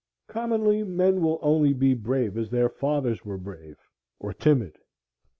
Commonly men will only be brave as their fathers were brave, or timid.